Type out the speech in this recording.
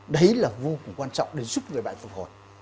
đấy là vô cùng quan trọng để giúp người bạn phục hồi